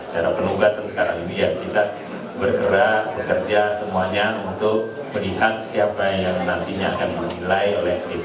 karena penugasan sekarang ini yang kita bergerak bekerja semuanya untuk melihat siapa yang nantinya akan dinilai oleh tim